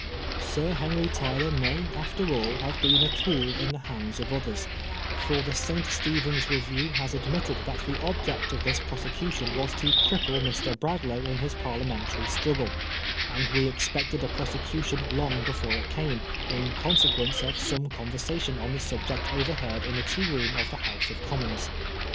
Sir Henry Tyler may after all have been a tool in the hands of others, for the 8t Steph&rHs Review has ad mitted that the object of this prosecution was to cripple Mr. Bradlaugh in his parliamentary struggle, and we expected a prosecution long before it came, in conse quence of some conversation on the subject overheard in the Tea Room of the House of Commons.